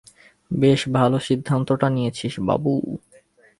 বেশ ভালো সিদ্ধান্তটা নিয়েছিস, বাবু।